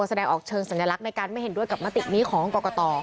แสดงออกเชิงสัญลักษณ์ในการไม่เห็นด้วยกับมตินี้ของกรกต